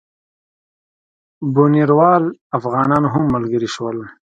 بُنیروال افغانان هم ملګري شول.